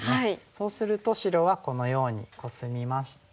そうすると白はこのようにコスみまして。